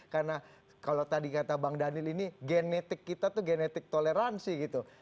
karena kalau tadi kata bang daniel ini genetik kita itu genetik toleransi gitu